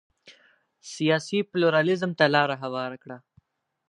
سیاسي پلورالېزم ته لار هواره کړه.